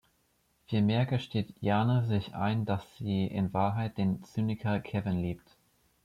Vielmehr gesteht Jane sich ein, dass sie in Wahrheit den Zyniker Kevin liebt.